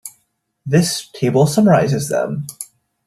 This table summarises them.